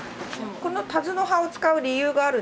このタズの葉を使う理由があるんですか？